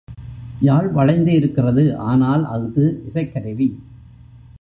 யாழ் வளைந்து இருக்கிறது ஆனால் அஃது இசைக்கருவி.